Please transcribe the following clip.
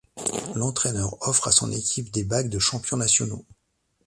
L'entraîneur offre à son équipe des bagues de champions nationaux.